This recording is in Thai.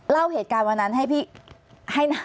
เล่าเหตุการณ์วันนั้นให้พี่ให้นะ